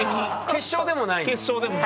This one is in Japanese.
決勝でもなく。